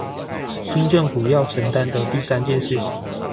新政府要承擔的第三件事情